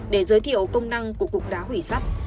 để giới thiệu công năng của cục đá hủy sắt